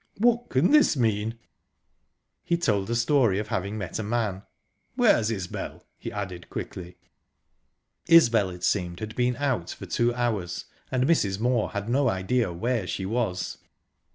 what can this mean?" He told a story of having met a man..."Where's Isbel?" he added quickly. Isbel, it seemed, had been out for two hours, and Mrs. Moor had no idea where she was.